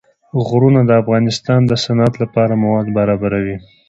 غرونه د افغانستان د صنعت لپاره مواد برابروي.